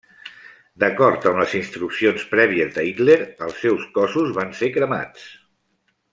D'acord amb les instruccions prèvies de Hitler, els seus cossos van ser cremats.